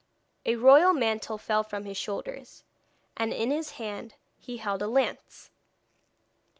A royal mantle fell from his shoulders, and in his hand he held a lance.